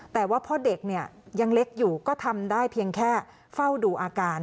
แต่ว่าพ่อเด็กเนี่ยยังเล็กอยู่ก็ทำได้เพียงแค่เฝ้าดูอาการ